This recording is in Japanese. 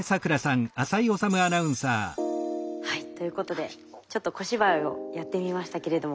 はいということでちょっと小芝居をやってみましたけれども。